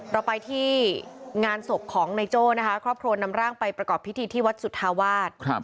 เราไปที่งานศพของนายโจ้นะคะครอบครัวนำร่างไปประกอบพิธีที่วัดสุธาวาส